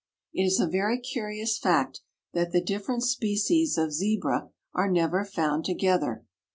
It is a very curious fact that the different species of Zebra are never found together.